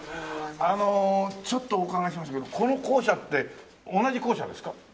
あのちょっとお伺いしますけどこの校舎って同じ校舎ですか？